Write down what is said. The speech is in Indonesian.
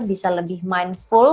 bisa lebih mindfull